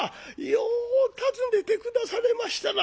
よう訪ねて下されましたな。